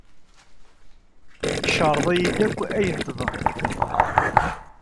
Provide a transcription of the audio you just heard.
Ceṛḍ-iyi-d akk ayen tebɣiḍ!